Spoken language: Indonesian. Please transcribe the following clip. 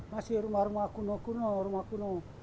masih rumah rumah kuno kuno